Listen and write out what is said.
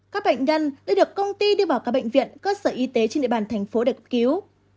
các bệnh nhân đã được công ty đưa vào các bệnh viện cơ sở y tế trên địa bàn thành phố để cứu